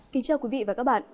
kính chào quý vị và các bạn